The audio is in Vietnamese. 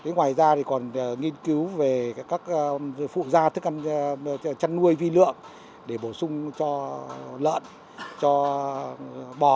ngoài ra còn nghiên cứu về các phụ gia thức ăn chăn nuôi vi lượng để bổ sung cho lợn cho bò